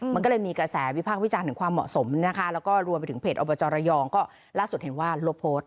มันก็เลยมีกระแสวิพากษ์วิจารณ์ถึงความเหมาะสมนะคะแล้วก็รวมไปถึงเพจอบจระยองก็ล่าสุดเห็นว่าลบโพสต์